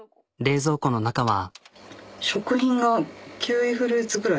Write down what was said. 冷蔵庫の中は。